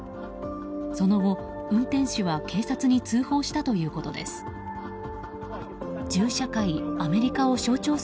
その後、運転手は警察に通報したということです。